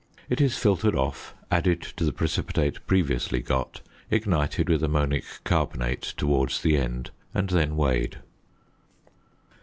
It is filtered off, added to the precipitate previously got, ignited with ammonic carbonate towards the end, and then weighed.